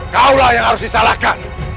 kau lah yang harus disalahkan